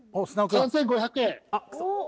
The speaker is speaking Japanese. ３５００円。